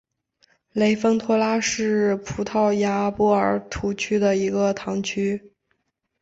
雷丰托拉是葡萄牙波尔图区的一个堂区。